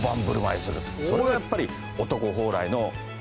それがやっぱり。